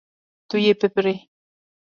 Tu yê bibirî.